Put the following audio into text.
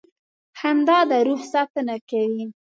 • خندا د روح ساتنه کوي.